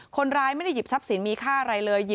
คนร้ายไม่ได้หยิบทรัพย์สินมีค่าอะไรเลย